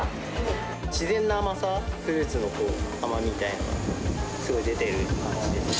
自然な甘さ、フルーツの甘みみたいなのがすごい出てる感じです。